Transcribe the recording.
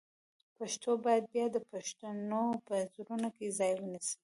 پښتو باید بیا د پښتنو په زړونو کې ځای ونیسي.